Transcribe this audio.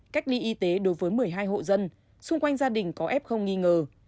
cách ly y tế đối với một mươi hai hộ dân xung quanh gia đình có f nghi ngờ